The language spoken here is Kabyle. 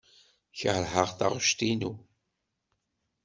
Keṛheɣ taɣect-inu.